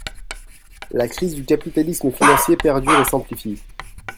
La crise du capitalisme financier perdure et s’amplifie.